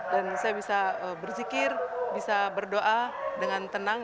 dan saya bisa bersikir bisa berdoa dengan tenang